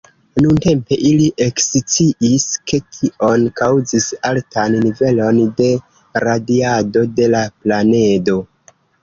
Nuntempe ili eksciis, ke tion kaŭzis altan nivelon de radiado de la planedo.